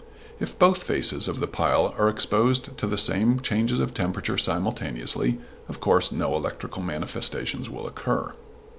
If both faces of the pile are exposed to the same changes of temperature simultaneously, of course no electrical manifestations will occur.